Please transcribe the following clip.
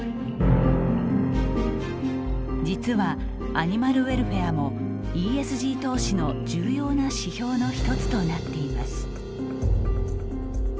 実はアニマルウェルフェアもＥＳＧ投資の重要な指標の一つとなっています。